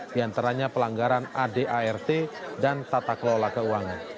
diantaranya pelanggaran adart dan tata kelola keuangan